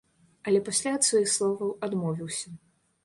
Але пасля ад сваіх словаў адмовіўся.